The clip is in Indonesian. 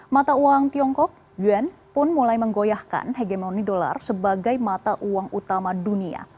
mata uang tiongkok yuan pun mulai menggoyahkan hegemoni dolar sebagai mata uang utama dunia